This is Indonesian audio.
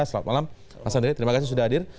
selamat malam mas andre terima kasih sudah hadir